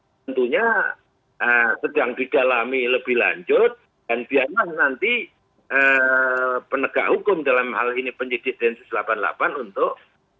tentunya sedang didalami lebih lanjut dan biarlah nanti penegak hukum dalam hal ini penyidik densus delapan puluh delapan untuk